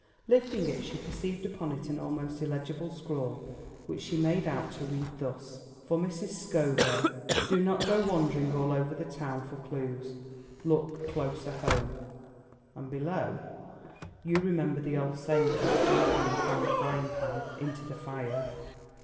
Lifting it, she perceived upon it an almost illegible scrawl which she made out to read thus: For Mrs. Scoville: Do not go wandering all over the town for clews. Look closer home. And below: You remember the old saying about jumping from the frying pan into the fire.